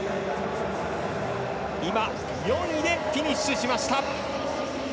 ４位でフィニッシュしました！